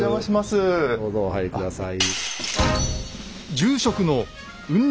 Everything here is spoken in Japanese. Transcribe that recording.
どうぞお入り下さい。